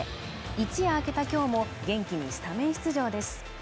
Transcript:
一夜明けた今日も元気にスタメン出場です